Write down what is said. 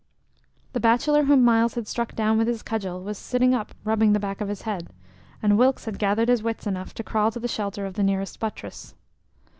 The bachelor whom Myles had struck down with his cudgel was sitting up rubbing the back of his head, and Wilkes had gathered his wits enough to crawl to the shelter of the nearest buttress.